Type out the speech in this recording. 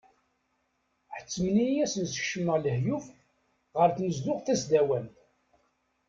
Ḥettmen-iyi ad asen-sekcameɣ lahyuf ɣer tnezduɣt tasdawant.